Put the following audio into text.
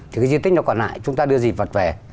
thì cái di tích nó còn lại chúng ta đưa di vật về